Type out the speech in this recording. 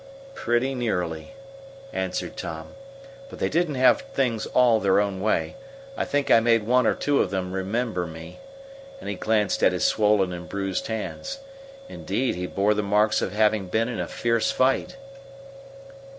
"Pretty nearly," answered Tom; "but they didn't have things all their own way. I think I made one or two of them remember me," and he glanced at his swollen and bruised hands. Indeed, he bore the marks of having been in a fierce fight.